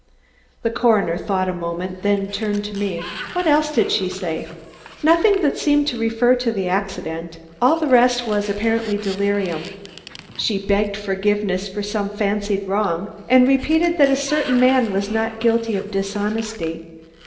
The coroner thought a moment, then turned to me. "What else did she say?" "Nothing that seemed to refer to the accident. All the rest was apparently delirium. She begged forgiveness for some fancied wrong, and repeated that a certain man was not guilty of dishonesty.